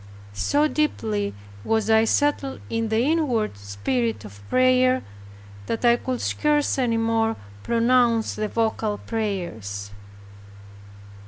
So deeply was I settled in the inward spirit of prayer, that I could scarce any more pronounce the vocal prayers.